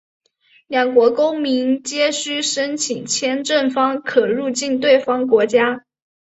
两国公民皆须申请签证方可入境对方国家。